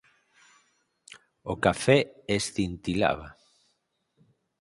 O café escintilaba.